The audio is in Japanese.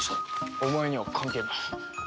お前には関係ない。